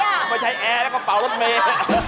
ไม่ใช่แอร์แล้วก็เป่ารถเมย์